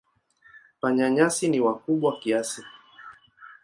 Panya-nyasi ni wakubwa kiasi.